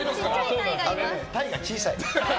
タイが小さい。